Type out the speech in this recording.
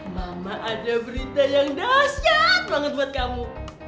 mama ada berita yang dahsyat banget buat kamu